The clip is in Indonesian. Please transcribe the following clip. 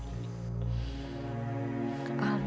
ibu sri sudah selesai menangkap ibu